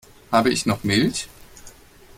Habe ich noch Milch?